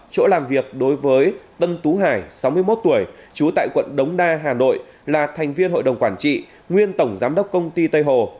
chỗ làm việc đối với tân tú hải sáu mươi một tuổi trú tại quận đống đa hà nội là thành viên hội đồng quản trị nguyên tổng giám đốc công ty tây hồ